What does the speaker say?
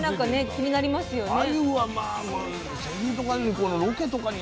気になりますね。